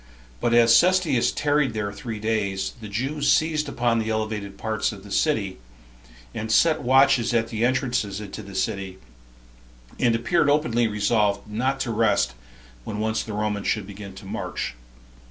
But as Cestius tarried there three days, the Jews seized upon the elevated parts of the city, and set watches at the entrances into the city, and appeared openly resolved not to rest when once the Romans should begin to march.